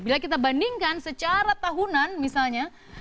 bila kita bandingkan secara tahunan misalnya